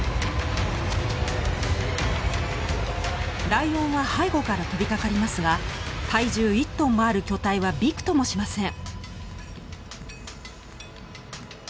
ライオンは背後から飛びかかりますが体重１トンもある巨体はびくともしません。